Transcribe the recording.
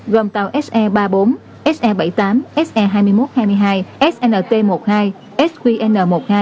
gồm tàu se ba mươi bốn se bảy mươi tám se hai mươi một hai mươi hai snt một mươi hai sqn một mươi hai